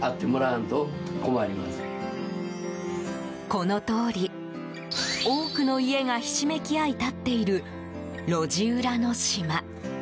このとおり、多くの家がひしめき合い立っている路地裏の島。